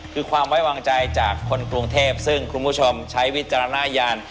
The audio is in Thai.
คือความไว้วางใจจากคนกรุงเทพซึ่งคุณผู้ชมใช้วิจารณญาณ